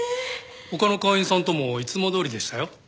他の会員さんともいつもどおりでしたよ。